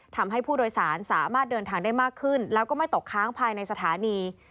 ทำให้ผู้โดยสารสามารถเดินทางได้มากขึ้นแล้วก็ไม่ตกค้างภายในสถานี